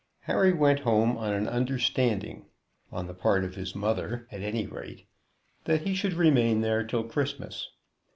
Harry went home on an understanding, on the part of his mother, at any rate, that he should remain there till Christmas.